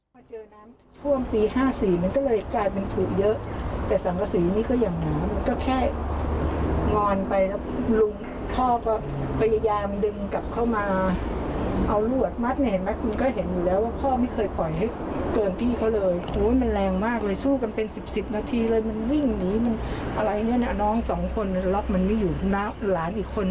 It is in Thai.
๓คนป้าก็บอกว่าป้าก็อยากจะรู้แต่ทีนี้มันเงินมันน้อยใช่ไหม